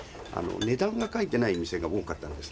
値段が書いてない店が多かったんです。